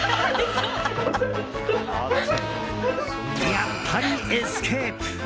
やっぱりエスケープ！